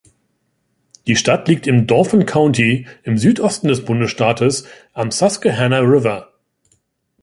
Die Stadt liegt im Dauphin County im Südosten des Bundesstaates am Susquehanna River.